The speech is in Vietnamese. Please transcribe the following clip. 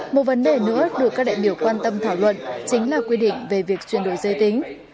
một vấn đề nữa được các đại biểu quan tâm thảo luận chính là quy định về việc chuyển đổi giới tính